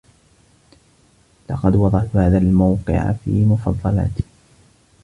لقد وضعت هذا الموقع في مفضلاتي.